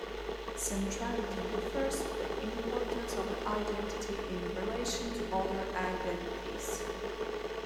Centrality refers to the importance of an identity in relation to other identities.